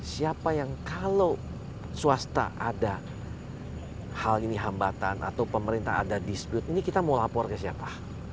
siapa yang kalau swasta ada hal ini hambatan atau pemerintah ada dispute ini kita mau lapor ke siapa